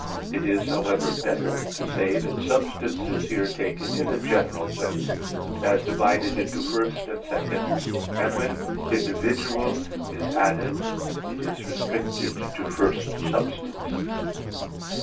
It is, however, better to say that substance is here taken in a general sense, as divided into first and second, and when "individual" is added, it is restricted to first substance.